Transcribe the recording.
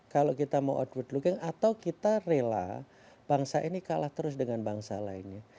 kalau kita mau outward looking atau kita rela bangsa ini kalah terus dengan bangsa lainnya